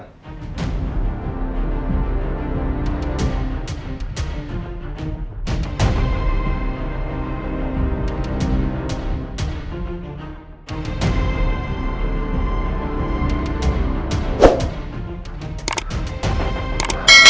terima kasih pak nino